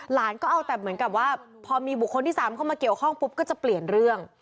หลานก็เอาแต่เหมือนกับว่าพอมีบุคคลที่๓เข้ามาเกี่ยวข้องปุ๊บก็จะเปลี่ยนเรื่อง